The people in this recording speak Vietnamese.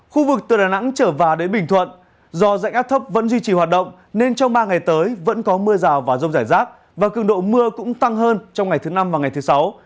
khu vực từ đà nẵng trở vào đến bình thuận do dạnh áp thấp vẫn duy trì hoạt động nên trong ba ngày tới vẫn có mưa rào và rông rải rác và cường độ mưa cũng tăng hơn trong ngày thứ năm và ngày thứ sáu